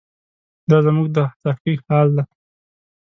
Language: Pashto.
دا زموږ د تحقیق حال دی.